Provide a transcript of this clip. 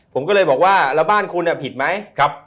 ผมก็เลยบอกว่าแล้วบ้านคุณผิดไหม